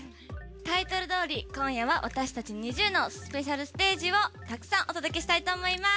タイトルどおり今夜は私たちＮｉｚｉＵのスペシャルステージをたくさんお届けしたいと思います！